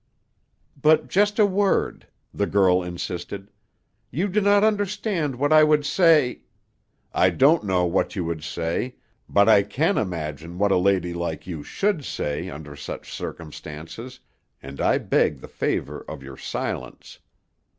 "But just a word," the girl insisted. "You do not understand what I would say " "I don't know what you would say, but I can imagine what a lady like you should say under such circumstances, and I beg the favor of your silence.